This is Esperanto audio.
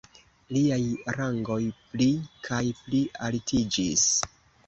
Liaj rangoj pli kaj pli altiĝis.